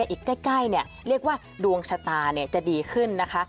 อีกใกล้เรียกว่าดวงชะตาจะดีขึ้นนะคะ